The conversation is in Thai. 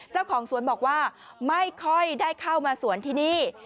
เจ้าของสวนบอกว่าไม่ค่อยได้เข้ามาสวนที่นี่